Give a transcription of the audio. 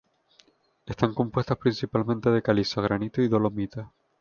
Están compuestas principalmente de caliza, granito y dolomita.